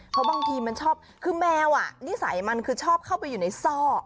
เพราะบางทีมันชอบคือแมวนิสัยมันคือชอบเข้าไปอยู่ในซ่อ